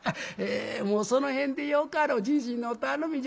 もうその辺でよかろうじじいの頼みじゃ。